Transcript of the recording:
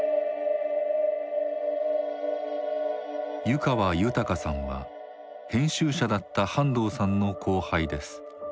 湯川豊さんは編集者だった半藤さんの後輩です。